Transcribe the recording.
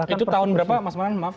itu tahun berapa mas manan maaf